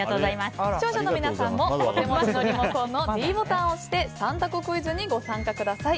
視聴者の皆さんも、お手持ちのリモコンのｄボタンを押して３択クイズにご参加ください。